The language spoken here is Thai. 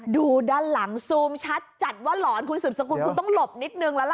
ดูด้านหลังซูมชัดจัดว่าหลอนคุณสืบสกุลคุณต้องหลบนิดนึงแล้วล่ะ